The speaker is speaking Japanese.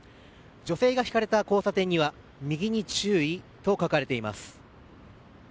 女性がひかれた交差点には右に注意と書かれています。